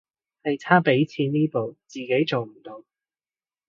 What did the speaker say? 係差畀錢呢步自己做唔到